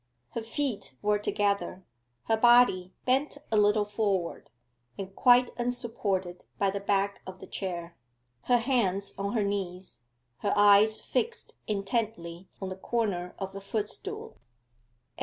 Her feet were together, her body bent a little forward, and quite unsupported by the back of the chair; her hands on her knees, her eyes fixed intently on the corner of a footstool.